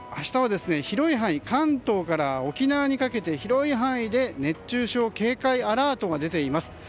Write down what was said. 明日は、関東から沖縄にかけての広い範囲で熱中症警戒アラートが出ています。